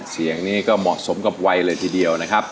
เสียงนี้ก็เหมาะสมกับวัยเลยทีเดียวนะครับ